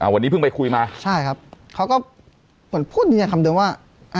วันนี้เพิ่งไปคุยมาใช่ครับเขาก็เหมือนพูดเนียคำเดิมว่า